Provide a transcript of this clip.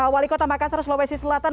wali kota makassar sulawesi selatan